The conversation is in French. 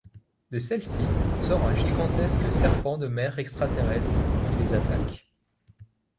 De celle-ci sort un gigantesque serpent de mer extraterrestre, qui les attaque.